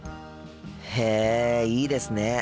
へえいいですね。